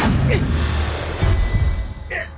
うっ！